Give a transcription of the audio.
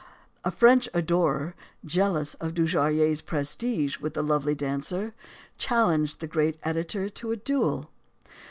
A French adorer, jealous of Dujarrier's prestige with the lovely dancer, challenged the great editor to a duel.